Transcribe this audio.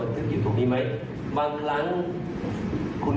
แต่นี้ค่อไม่สามารถเราคุกได้นะครับ